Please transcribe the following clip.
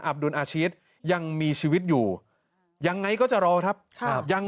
ดุลอาชีพยังมีชีวิตอยู่ยังไงก็จะรอครับครับยัง